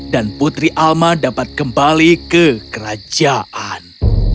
dan putri alma dapat kembali ke kerajaan